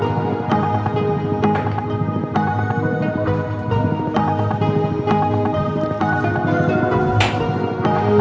eh tapi gak jadi deh